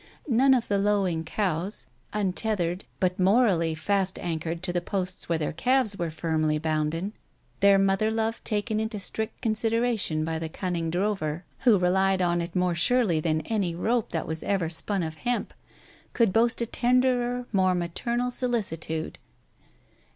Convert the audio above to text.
None of the lowing cows," untethered, but morally fast anchored to the posts where their calves were firmly bounden, tHeir mother love taken into strict consideration by the cunning drover, who relied on it more surely than on any rope that was ever spun of hemp, could boast a tenderer, more maternal solicitude.